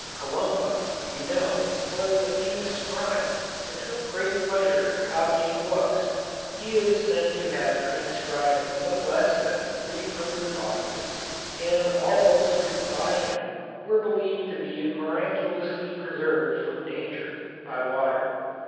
Columba, we know, was a famous scribe, and took great pleasure in copying books. He is said to have transcribed no less than three hundred volumes, and all books written by him were believed to be miraculously preserved from danger by water.